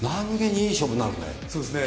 そうですね。